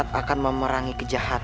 ini adalah yang sebenarnya rai